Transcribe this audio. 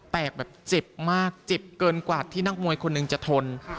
แบบเจ็บมากเจ็บเกินกว่าที่นักมวยคนหนึ่งจะทน